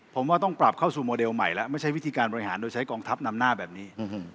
ผมว่าต้องปรับเข้าสู่โมเดลใหม่แล้วไม่ใช่วิธีการบริหารโดยใช้กองทัพนำหน้าแบบนี้